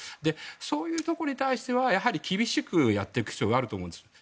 そういうところに対しては厳しくやっていく必要があると思うんです。